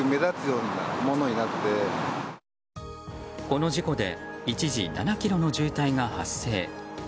この事故で一時７ｋｍの渋滞が発生。